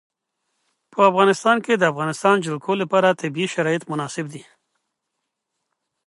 په افغانستان کې د د افغانستان جلکو لپاره طبیعي شرایط مناسب دي.